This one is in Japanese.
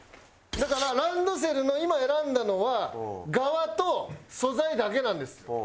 だからランドセルの今選んだのはガワと素材だけなんです。